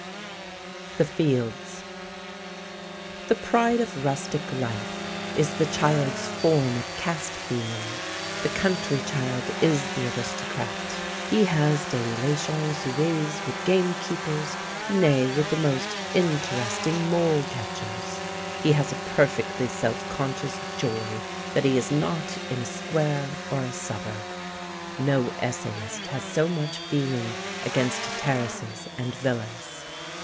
THE FIELDS The pride of rustic life is the child's form of caste feeling. The country child is the aristocrat; he has des relations suivies with game keepers, nay, with the most interesting mole catchers. He has a perfectly self conscious joy that he is not in a square or a suburb. No essayist has so much feeling against terraces and villas.